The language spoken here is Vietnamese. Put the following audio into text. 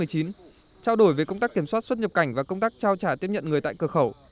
trao đổi về công tác kiểm soát xuất nhập cảnh và công tác trao trả tiếp nhận người tại cửa khẩu